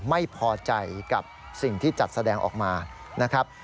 ไม่พอใจกับสิ่งที่จัดแสดงออกมานะครับ